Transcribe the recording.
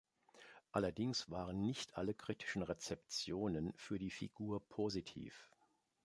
Allerdings waren nicht alle kritischen Rezeptionen für die Figur positiv.